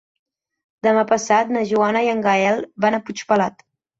Demà passat na Joana i en Gaël van a Puigpelat.